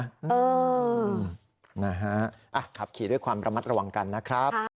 เออนะฮะขับขี่ด้วยความระมัดระวังกันนะครับ